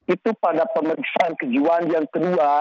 itu pada pemeriksaan kejiwaan yang kedua